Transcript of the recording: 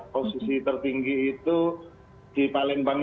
posisi tertinggi itu di palembang